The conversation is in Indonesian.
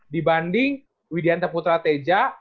dibanding widianta putra teja